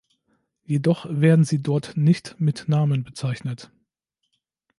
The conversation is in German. Jedoch werden sie dort nicht mit Namen bezeichnet.